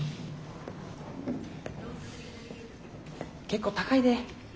結構高いで。